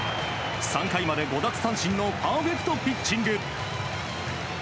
３回まで５奪三振のパーフェクトピッチング。